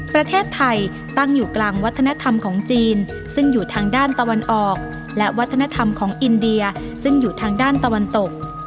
ประเทศไทยตั้งอยู่กลางวัฒนธรรมของจีนซึ่งอยู่ทางด้านตะวันออกและวัฒนธรรมของอินเดียซึ่งอยู่ทางด้านตะวันตก